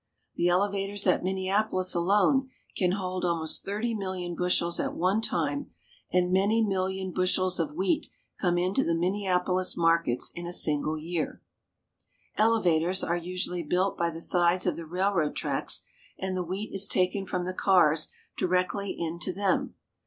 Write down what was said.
The elevators at Minneapolis alone can hold almost thirty million bushels at one time, and many GRAIN ELEVATORS. 169 million bushels of wheat come into the Minneapolis mar kets in a single year. Elevators are usually built by the sides of the railroad tracks, and the wheat is taken from the cars directly into them.